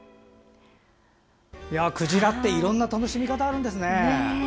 クジラっていろんな楽しみ方があるんですね。